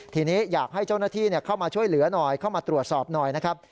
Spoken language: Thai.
ทีนี้อยากให้เจ้าหน้าที่เข้ามาช่วยเหลือหน่อยเข้ามาตรวจสอบหน่อยนะครับ